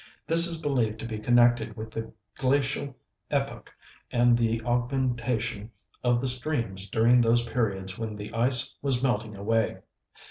This is believed to be connected with the glacial epoch and the augmentation of the streams during those periods when the ice was melting away.